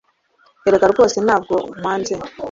erega rwose ntabwo nkwanze